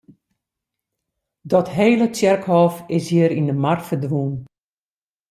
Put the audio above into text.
Dat hele tsjerkhôf is hjir yn de mar ferdwûn.